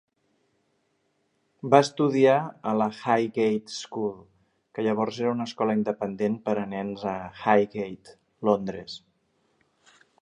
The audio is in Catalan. Va estudiar a la Highgate School, que llavors era una escola independent per a nens a Highgate, Londres.